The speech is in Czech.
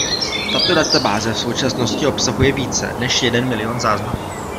Tato databáze v současnosti obsahuje více než jeden milion záznamů.